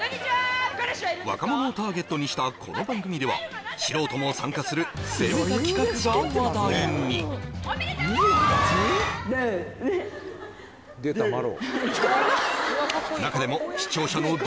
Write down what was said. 若者をターゲットにしたこの番組では素人も参加する攻めた企画が話題におめでとうございます！